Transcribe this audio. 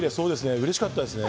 うれしかったっすね。